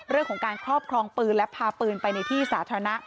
เรื่องของการครอบครองปืนและพาปืนไปในที่สาธารณะ